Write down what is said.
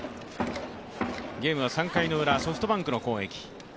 ゲームは３回のウラ、ソフトバンクの攻撃。